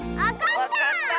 わかった！